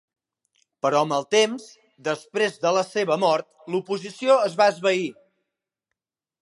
Però amb el temps, després de la seva mort l'oposició es va esvair.